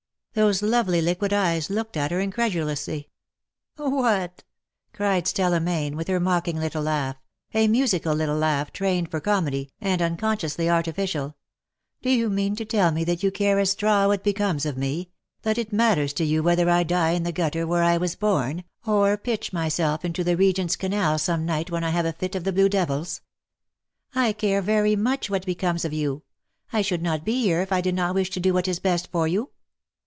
Those lovely liquid eyes looked at her incredu lously. " "What," cried Stella Mayne, with her mocking little laugh — a musical little laugh trained for comedy, and unconsciously artificial — *^^do you mean to tell me that you care a straw what becomes of me — that it matters to you whether I die in the gutter where I was born, or pitch myself into the Regent^s Canal some night when I have a fit of the blue devils ?" "I care very much what becomes of you. I should not be here if I did not wish to do what is best for you."